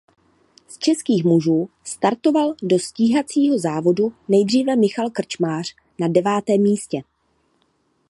Z českých mužů startoval do stíhacího závodu nejdříve Michal Krčmář na devátém místě.